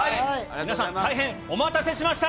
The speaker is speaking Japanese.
皆さん、大変お待たせいたしました。